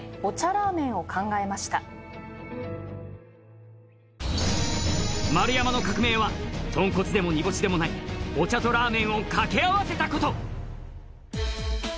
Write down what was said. ラーメンを考えました丸山の革命は豚骨でも煮干しでもないお茶とラーメンを掛け合わせたこと